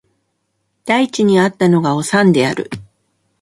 第一に逢ったのがおさんである